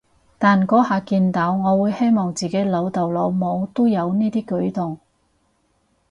但嗰下見到，我會希望自己老豆老母都有呢啲舉動